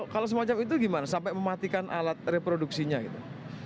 kalau semacam itu gimana sampai mematikan alat reproduksinya gitu